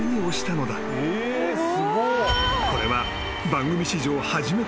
［これは］